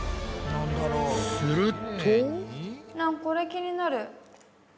これ気になる。